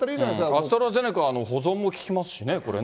アストラゼネカは保存も利きますしね、これね。